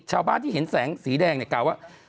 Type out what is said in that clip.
ชาวบ้านที่เห็นแสงสีแดงเนี่ยกล่าวว่า